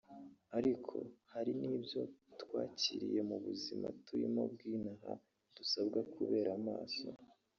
ariko hari n’ibyo twakiriye mu buzima turimo bw’inaha dusabwa kubera maso